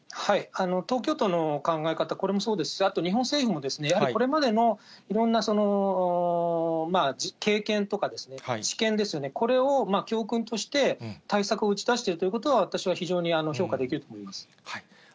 東京都の考え方、これもそうですし、あと日本政府もやはりこれまでのいろんな経験とか知見ですよね、これを教訓として、対策を打ち出しているということは、私は非常に評価できるというふうに思います。